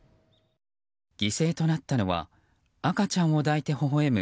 犠牲となったのは赤ちゃんを抱いてほほ笑む